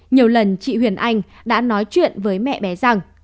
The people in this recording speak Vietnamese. nhiều lần chị huyền anh đã nói chuyện với mẹ bé rằng